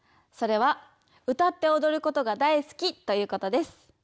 それは歌っておどることが大好きということです。